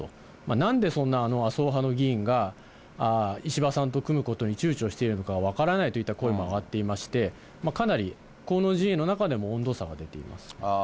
なんでそんな麻生派の議員が石破さんと組むことにちゅうちょしているのかは分からないといった声も上がっていまして、かなり河野陣営の中でも温度差が出ています。